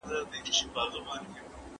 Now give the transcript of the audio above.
ولي نظم اړین دی؟